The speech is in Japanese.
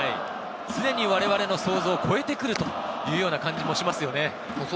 常に我々の想像を超えてくるというような感じもしますよね。